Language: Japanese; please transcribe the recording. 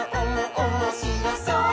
おもしろそう！」